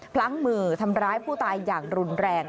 พลั้งมือทำร้ายผู้ตายอย่างรุนแรง